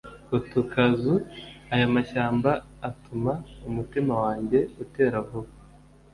utu kazu, aya mashyamba atuma umutima wanjye utera vuba